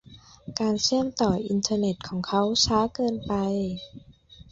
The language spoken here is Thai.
การเชื่อมต่ออินเทอร์เน็ตของเขาช้าเกินไป